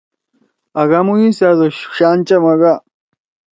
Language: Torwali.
آگھا مُیو سأدو شان چمگا ۔